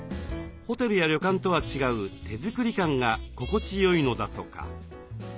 ホテルや旅館とは違う手作り感が心地よいのだとか。